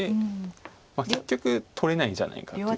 結局取れないんじゃないかという。